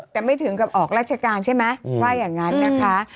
แต่ไม่ถึงกับออกราชการใช่ไหมว่าอย่างนั้นนะคะ